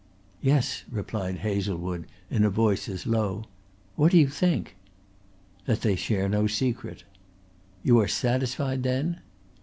"Yes," replied Hazlewood in a voice as low. "What do you think?" "That they share no secret." "You are satisfied then?"